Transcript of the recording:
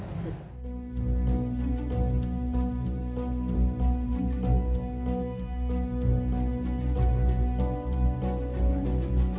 kem escar x persatuan darkness dan kevak antum xem jatuh laki laki saja